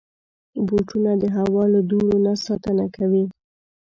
بوټونه د هوا له دوړو نه ساتنه کوي.